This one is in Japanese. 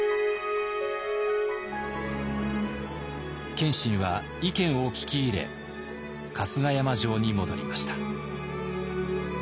謙信は意見を聞き入れ春日山城に戻りました。